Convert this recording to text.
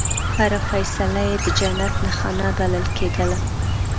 هره فیصله یې د جنت نښانه بلل کېدله.